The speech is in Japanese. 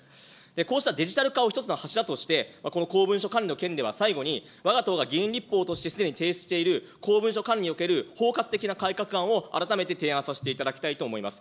こうしたデジタル化を一つの柱として、この公文書管理の件では最後に、わが党が議員立法としてすでに提出している、公文書管理における包括的な改革案を改めて提案させていただきたいと思います。